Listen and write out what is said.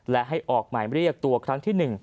และให้ออกหมายเรียกตัวครั้งที่๑